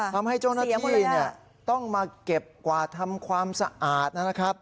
ทำให้เจ้าหน้าที่ต้องมาเก็บกวาดทำความสะอาดนะครับ